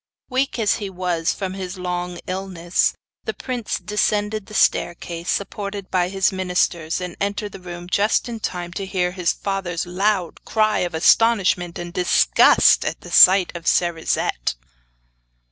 Weak as he was from his long illness, the prince descended the staircase, supported by the ministers, and entered the room just in time to hear his father's loud cry of astonishment and disgust at the sight of Cerisette.